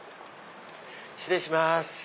失礼します。